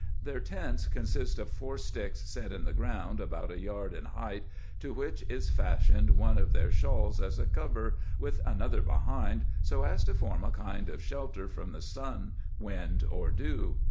Their tents consist of four sticks set in the ground, about a yard in height, to which is fastened one of their shawls as a cover, with another behind, so as to form a kind of shelter from the sun, wind, or dew.